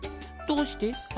どうして？